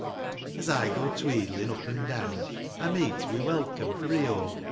As I go tweedlin' up an' down I meet wi' welcome free, oh